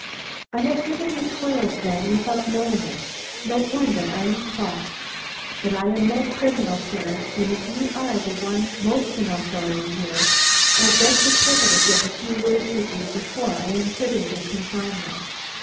"I have been in the toils then without knowing it; no wonder I am caught. But I am no criminal, sir; and if you are the one most in authority here, I beg the privilege of a few words with you before I am put into confinement."